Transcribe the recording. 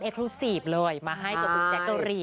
เอคลูซีฟเลยมาให้ตัวตัวจักรี